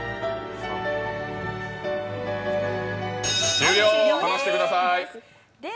終了、離してください。